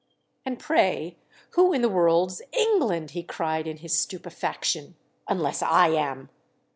"And pray who in the world's 'England,'" he cried in his stupefaction, "unless I am?"